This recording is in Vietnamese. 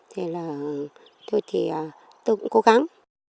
thế là tôi thì tôi cũng cố gắng